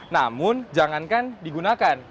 namun jangankan digunakan